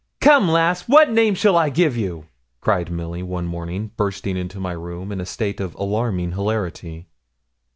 'Come, lass, what name shall I give you?' cried Milly, one morning, bursting into my room in a state of alarming hilarity.